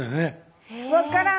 分からん！